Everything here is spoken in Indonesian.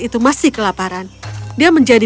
itu masih kelaparan dia menjadi